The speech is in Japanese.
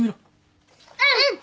うん。